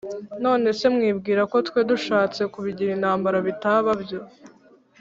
nonese mwibwira ko twe dushatse kubigira intambara bitaba byo